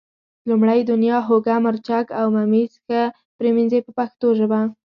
لومړی دڼیا، هوګه، مرچک او ممیز ښه پرېمنځئ په پښتو ژبه.